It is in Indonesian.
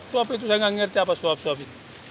sebab itu saya nggak ngerti apa suap suap itu